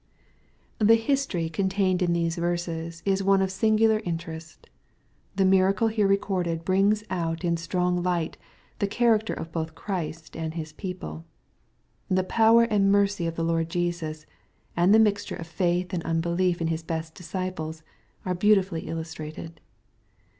The history contained in these verses, is one of singular interest. The miracle here recorded brings out in strong light the character both of Christ and His people. The power and mercy of the Lord Jesus, and the mixture of faith and unbelief in His best disciples, are beautifully illustrated.